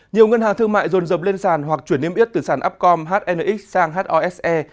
nhiều ngân hàng thương mại dồn dập lên sàn hoặc chuyển niêm yết từ sàn upcom hnx sang hose